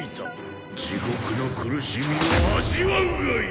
地獄の苦しみを味わうがいい！